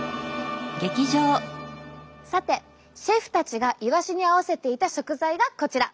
さてシェフたちがイワシに合わせていた食材がこちら。